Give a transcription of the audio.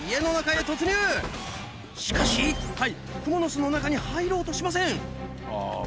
しかしカイクモの巣の中に入ろうとしません。